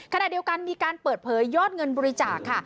ขณะเดียวกันมีการเปิดเผยยอดเงินบริจาคค่ะ